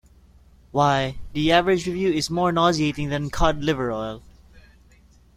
Why, the average review is more nauseating than cod liver oil.